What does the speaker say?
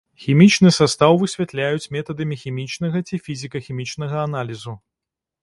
Хімічны састаў высвятляюць метадамі хімічнага ці фізіка-хімічнага аналізу.